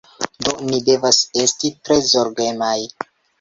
Do, ni devas esti tre zorgemaj